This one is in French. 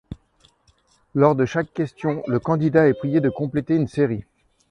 Lors de chaque question, le candidat est prié de compléter une série.